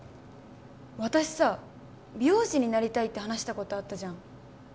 私さ美容師になりたいって話したことあったじゃん